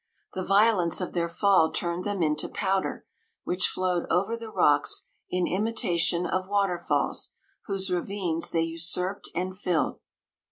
The violence of their fall turned them into powder, which flowed over the rocks in imitation of waterfalls, whose ravines they usurped and filled.